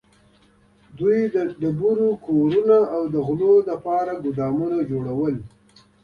دوی د ډبرو کورونه او د غلو ګودامونه جوړول.